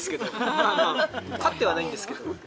まあまあ、勝ってはないんですけど。